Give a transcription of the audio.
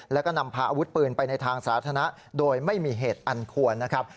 แล้วก็นำพาอาวุธปืนไปในทางสาธารณะโดยไม่มีเหตุอันควรนะครับ